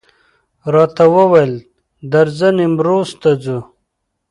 راته وویل درځه نیمروز ته ځو.